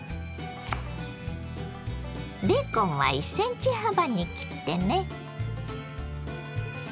ベーコンは１ｃｍ幅に切ってね。